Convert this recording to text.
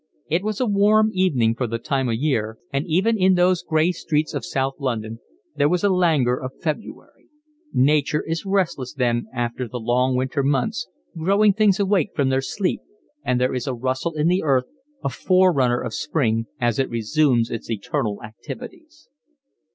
It was a warm evening for the time of year, and even in those gray streets of South London there was the languor of February; nature is restless then after the long winter months, growing things awake from their sleep, and there is a rustle in the earth, a forerunner of spring, as it resumes its eternal activities.